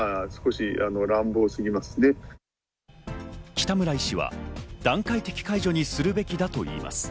北村医師は段階的解除にするべきだといいます。